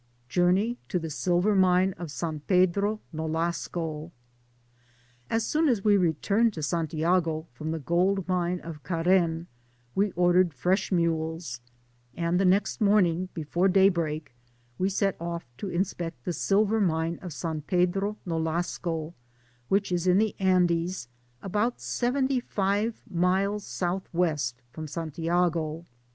Digitized byGoogk RU JPUHNEY TO THJJ SILVJIE MINS! OF gAN PEDRQ NOj^Asgo. As soon as we returned to Santiago from the gold mine of Caren, we ordered freah mules ; and the next morning, before day breakj we set off to inspect the silver mine of San Pedro Nolasco, which is in the Andes, about seventy five miles south west from Santiago.